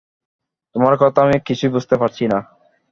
তোমার কথা আমি কিছুই বুঝতে পারছি না।